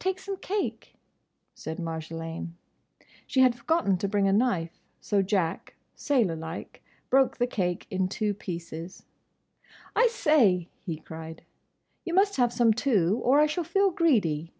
"Take some cake?" said Marjolaine. She had forgotten to bring a knife, so Jack, sailorlike, broke the cake in two pieces. "I say!" he cried, "you must have some too, or I shall feel greedy!"